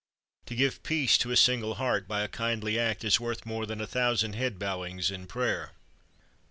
To give peace to a single heart by a kindly act is worth more than a thousand head bowings in prayer!"